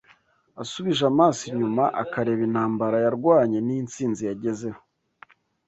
asubije amaso inyuma akareba intambara yarwanye n’intsinzi yagezeho